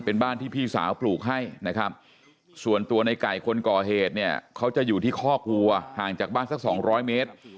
เป็นบ้านที่พี่สาวปลูกให้นะครับส่วนตัวในไก่คนก่อเหตุเนี่ยเขาจะอยู่ที่คอกวัวห่างจากบ้านสักสองร้อยเมตร